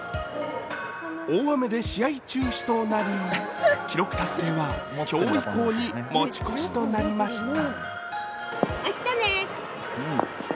大雨で試合中止となり、記録達成は今日以降に持ち越しとなりました。